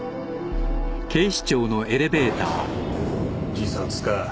自殺か。